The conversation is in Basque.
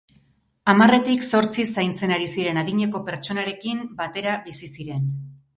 Hamarretik zortzi zaintzen ari ziren adineko pertsonarekin batera bizi ziren.